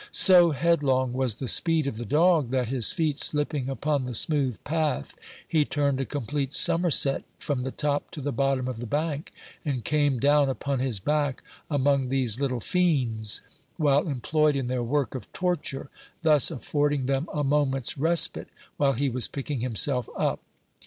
So headlong was the speed of the dog, that, his feet slipping upon the smooth path, he turned a complete somerset from the top to the bottom of the bank, and came down upon his back among these little fiends, while employed in their work of torture, thus affording them a moment's respite while he was picking himself up.